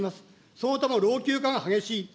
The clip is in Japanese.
双方とも老朽化が激しい。